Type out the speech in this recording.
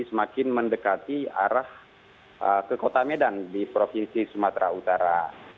semakin mendekati arah ke kota medan di provinsi sumatera utara